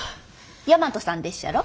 大和さんでっしゃろ？